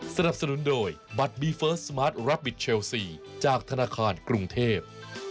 สนับสนุนโดยบัตรบีเฟิร์สสมาร์ทรับบิทเชลซีจากธนาคารกรุงเทพ